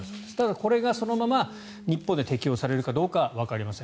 これがそのまま日本で適用されるかどうかはわかりません。